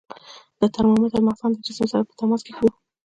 د ترمامتر مخزن د جسم سره په تماس کې ږدو.